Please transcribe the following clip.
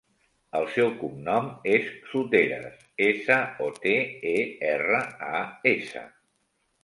El seu cognom és Soteras: essa, o, te, e, erra, a, essa.